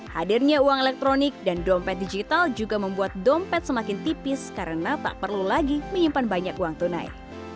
hadirnya uang elektronik dan dompet digital juga membuat dompet semakin tipis karena tak perlu lagi menyimpan banyak uang tunai